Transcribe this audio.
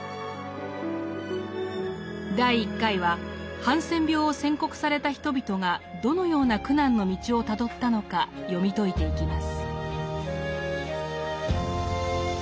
第１回はハンセン病を宣告された人々がどのような苦難の道をたどったのか読み解いていきます。